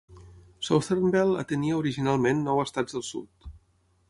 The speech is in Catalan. Southern Bell atenia originalment nou estats del sud.